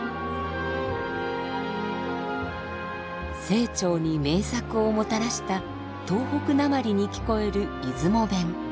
清張に名作をもたらした東北なまりに聞こえる出雲弁。